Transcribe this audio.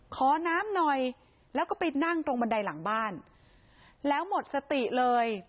ขอน้ำหน่อยแล้วก็ไปนั่งตรงบันไดหลังบ้านแล้วหมดสติเลย